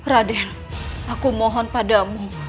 raden aku mohon padamu